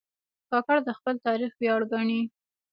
کاکړ د خپل تاریخ ویاړ ګڼي.